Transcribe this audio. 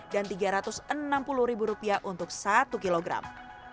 dan rp tiga ratus enam puluh untuk satu kilogram